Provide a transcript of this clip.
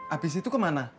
abis itu kemana